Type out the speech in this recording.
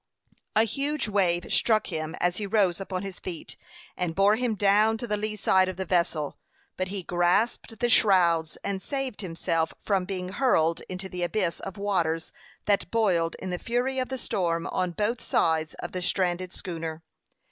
A huge wave struck him as he rose upon his feet, and bore him down to the lee side of the vessel; but he grasped the shrouds, and saved himself from being hurled into the abyss of waters that boiled in the fury of the storm on both sides of the stranded schooner.